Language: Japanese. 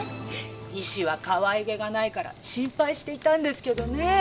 石はかわいげがないから心配していたんですけどね。